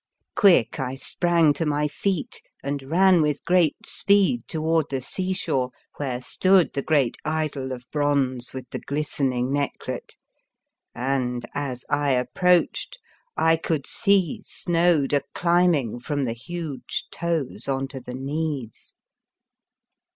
Quick I sprang to my feet, and ran with great speed toward the seashore, where stood the great idol of bronze with the glistening necklet, and, as I approached, I could see Snoad a climb ing from the huge toes onto the knees.